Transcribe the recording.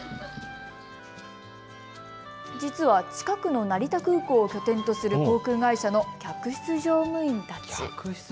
実は近くの成田空港を拠点とする航空会社の客室乗務員たち。